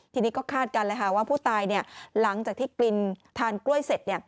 ทีนี้ก็คาดกันเลยค่ะว่าผู้ตายหลังจากที่กินทานกล้วยเสร็จ